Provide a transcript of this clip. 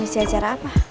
ngisi acara apa